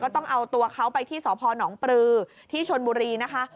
ต้องเอาตัวเขาไปที่สพนปรือที่ชนบุรีนะคะ